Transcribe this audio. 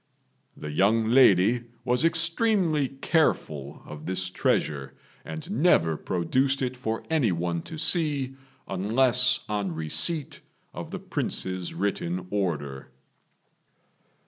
The young lady was extremely careful of this treasure, and never produced it for any one to see unless on receipt of the Prince's written order.